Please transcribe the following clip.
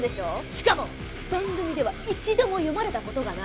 しかも番組では一度も読まれた事がない。